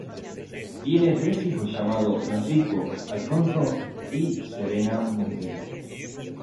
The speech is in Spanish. Tiene tres hijos llamados Francisco, Alfonso y Serena Montero.